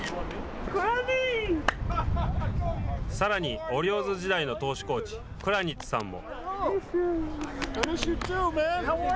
さらにオリオールズ時代の投手コーチ、クラニッツさんも。